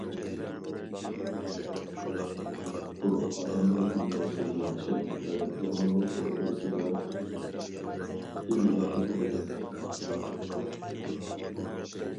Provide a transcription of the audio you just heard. بۇ ئادەملەر دۇنياسى ياخشىلىق ۋە يامانلىق ئوتتۇرىسىدا ئىگىلەپلا تۇرىدۇ.